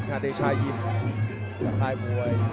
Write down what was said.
อาเดชายินภาคไทยบวย